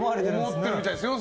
思ってるみたいですよ。